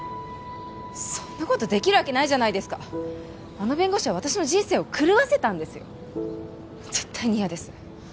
そんなことできるわけないじゃないあの弁護士は私の人生を狂わせたんですよ絶対に嫌です